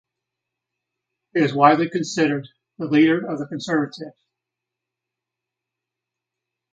He was widely considered the leader of the Conservatives.